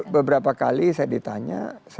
beberapa kali saya ditanya